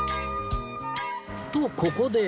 とここで